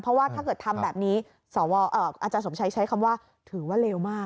เพราะว่าถ้าเกิดทำแบบนี้อาจารย์สมชัยใช้คำว่าถือว่าเลวมาก